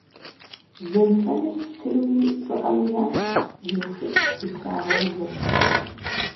Жьэнфэныр пщтыруи щӀыӀэуи яшх, бжьыныху шыпс дытрагъэувэ.